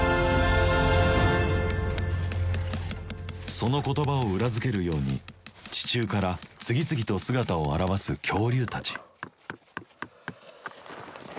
その言葉を裏付けるように地中から次々と姿を現す恐竜たち。